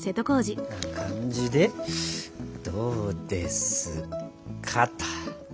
こんな感じでどうですかっと。